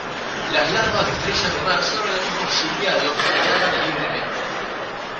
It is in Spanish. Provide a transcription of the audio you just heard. Las larvas de estrellas de mar son organismos ciliados, que nadan libremente.